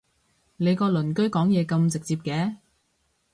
你個鄰居講嘢咁直接嘅？